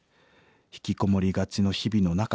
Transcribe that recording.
ひきこもりがちの日々の中